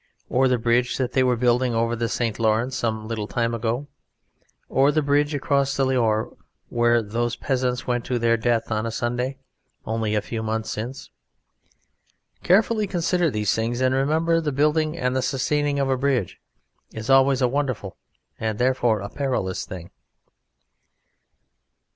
Or the bridge that they were building over the St. Lawrence some little time ago, or the bridge across the Loire where those peasants went to their death on a Sunday only a few months since? Carefully consider these things and remember that the building and the sustaining of a bridge is always a wonderful and therefore a perilous thing.